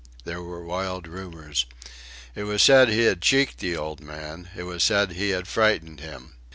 There were wild rumours. It was said he had cheeked the old man; it was said he had frightened him.